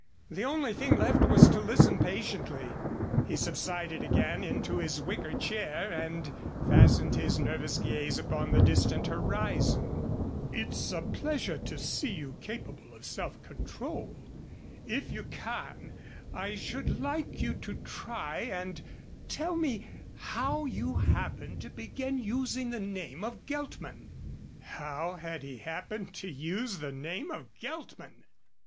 The only thing left was to listen patiently. He subsided again into his wicker chair and fastened his nervous gaze upon the distant horizon. "It's a pleasure to see you capable of self control. If you can, I should like you to try and tell me how you happened to begin using the name of Geltman." How had he happened to use the name of Geltman!